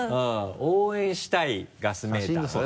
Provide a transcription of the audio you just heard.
「応援したいガスメーター」だねこれは。